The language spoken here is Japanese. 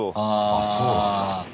あっそうなんだ。